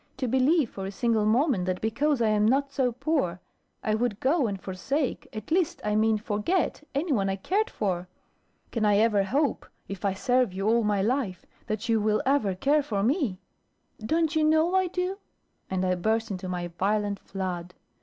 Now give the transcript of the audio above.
To believe, for a single moment, that because I am not so poor, I would go and forsake at least, I mean, forget any one I cared for!" "Can I ever hope, if I serve you all my life, that you will ever care for me?" "Don't you know I do?" And I burst into my violent flood.